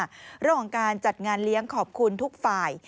เรื่องของการจัดงานเลี้ยงขอบคุณทุกฝ่าย